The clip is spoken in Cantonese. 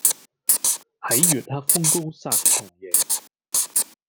係月黑風高殺蟲夜